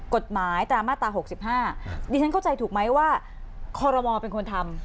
กฎหมายตามมาตรา๖๕ดิฉันเข้าใจถูกไหมว่าคอรมอลเป็นคนทำ